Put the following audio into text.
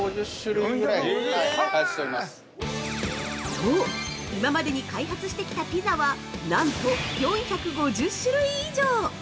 ◆そう、今までに開発してきたピザは、なんと４５０種類以上！